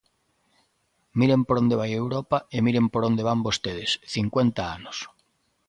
Miren por onde vai Europa e miren por onde van vostedes: cincuenta anos.